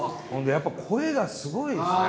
やっぱ声がすごいですね。